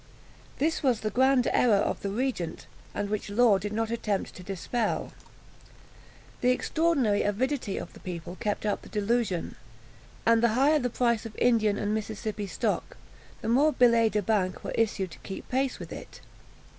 This was the grand error of the regent, and which Law did not attempt to dispel. The extraordinary avidity of the people kept up the delusion; and the higher the price of Indian and Mississippi stock, the more billets de banque were issued to keep pace with it.